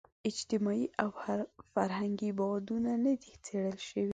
اجتماعي او فرهنګي بعدونه نه دي څېړل شوي.